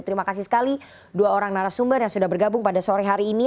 terima kasih sekali dua orang narasumber yang sudah bergabung pada sore hari ini